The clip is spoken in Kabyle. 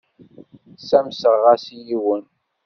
Ssamseɣ-as i yiwen.